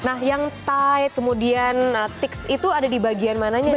nah yang tight kemudian tics itu ada di bagian mananya nih mbak